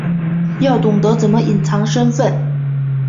要懂得怎么隐藏身份